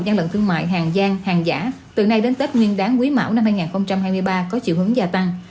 gian lận thương mại hàng giang hàng giả từ nay đến tết nguyên đáng quý mão năm hai nghìn hai mươi ba có chiều hướng gia tăng